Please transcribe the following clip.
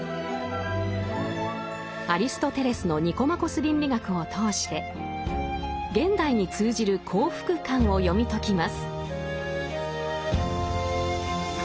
アリストテレスの「ニコマコス倫理学」を通して現代に通じる幸福観を読み解きます。